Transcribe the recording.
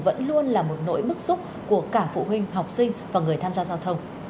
vẫn luôn là một nỗi bức xúc của cả phụ huynh học sinh và người tham gia giao thông